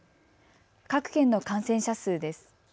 各県の感染者数です。